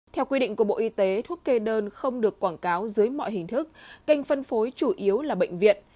theo quy định của bộ y tế thuốc kê đơn không được quảng cáo dưới mọi hình thức kênh phân phối chủ yếu là bệnh viện